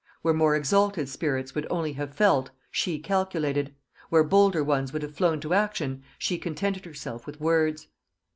Where more exalted spirits would only have felt, she calculated; where bolder ones would have flown to action, she contented herself with words.